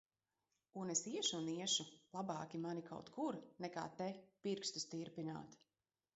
Un es iešu un iešu! Labāki man kaut kur, nekā te, pirkstus tirpināt.